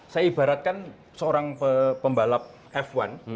saya ibaratkan seorang pembalap f satu